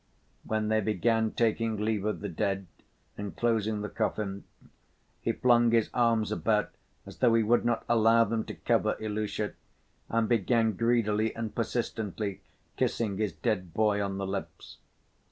When they began taking leave of the dead and closing the coffin, he flung his arms about, as though he would not allow them to cover Ilusha, and began greedily and persistently kissing his dead boy on the lips.